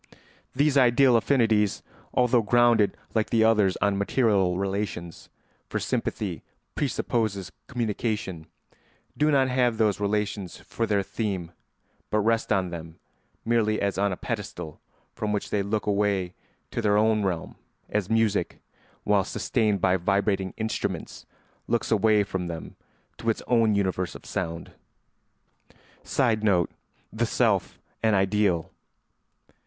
These ideal affinities, although grounded like the others on material relations (for sympathy presupposes communication), do not have those relations for their theme but rest on them merely as on a pedestal from which they look away to their own realm, as music, while sustained by vibrating instruments, looks away from them to its own universe of sound. [Sidenote: The self an ideal.